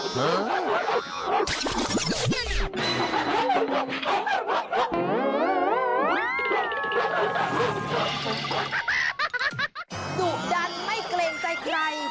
ดุดันไม่เกรงใจใคร